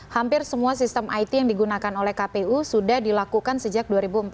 hampir semua sistem it yang digunakan oleh kpu sudah dilakukan sejak dua ribu empat belas